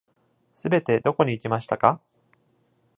すべてどこに行きましたか？